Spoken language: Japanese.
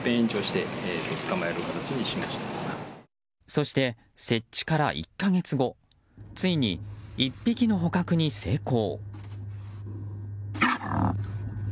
そして、設置から１か月後ついに１匹の捕獲に成功。